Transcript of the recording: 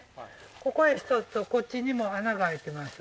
ここへ１つとこっちにも穴が開いてます